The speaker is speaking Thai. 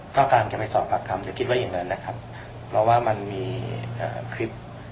ก็การจะไปสอบปากคำจะคิดว่าอย่างนั้นนะครับเพราะว่ามันมีคลิป